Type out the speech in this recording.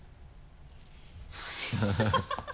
ハハハ